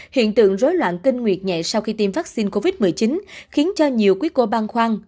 hiện tượng rối loạn kinh nguyệt nhẹ sau khi tiêm vaccine covid một mươi chín khiến cho nhiều quý cô băng khoan